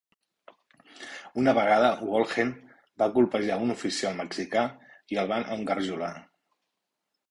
Una vegada Wolheim va colpejar un oficial mexicà i el van engarjolar.